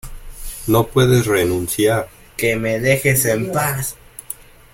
no puedes renunciar. ¡ que me dejes en paz!